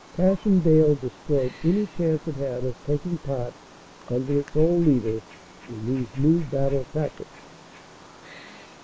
Passchendaele destroyed any chance it had of taking part under its old leader in these new battle tactics.